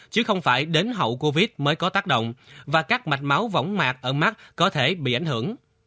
chứ không phải đến hậu covid mới có tác động và các mạch máu vỏng mạc ở mắt có thể bị ảnh hưởng